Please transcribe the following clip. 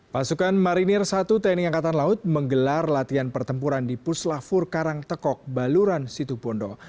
pasukan marinir satu tni angkatan laut menggelar latihan pertempuran di puslah fur karang tekok baluran situbondo